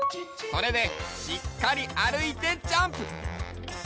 それでしっかりあるいてジャンプ！